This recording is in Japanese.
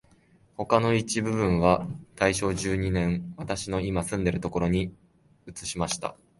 他の一部分は大正十二年、私のいま住んでいるところに移しました